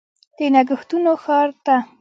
د نګهتونو ښار ته